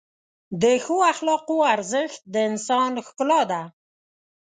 د ښو اخلاقو ارزښت د انسان ښکلا ده.